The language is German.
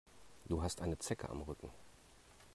Du hast eine Zecke am Rücken.